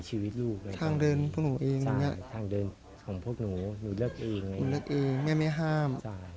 ชีวิตรูปคนนี้ทางเดินพวกนูเองแม่ไม่ห้าม